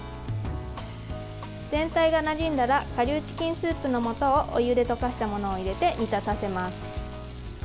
全体がなじんだら顆粒チキンスープの素をお湯で溶かしたものを入れて煮立たせます。